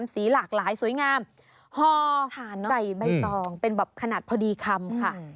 สีหลากหลายสวยงามห่อใส่ใบตองเป็นแบบขนาดพอดีคำค่ะ